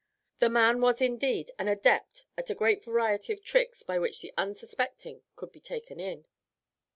The man was indeed an adept at a great variety of tricks by which the unsuspecting could be taken in.